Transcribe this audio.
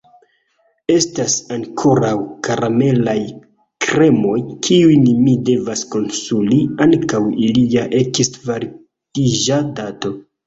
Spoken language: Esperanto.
Estas ankoraŭ karamelaj kremoj, kiujn mi devas konsumi antaŭ ilia eksvalidiĝa dato.